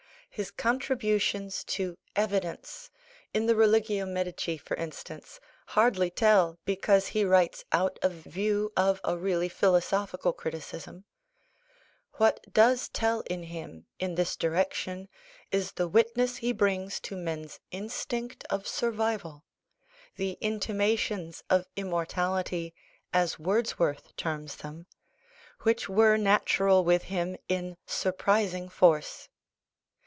His contributions to "evidence," in the Religio Medici, for instance, hardly tell, because he writes out of view of a really philosophical criticism. What does tell in him, in this direction, is the witness he brings to men's instinct of survival the "intimations of immortality," as Wordsworth terms them, which were natural with him in surprising force.